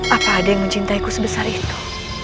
apa ada yang mencintaiku sebesar itu